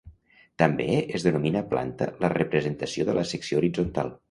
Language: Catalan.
També es denomina planta la representació de la secció horitzontal.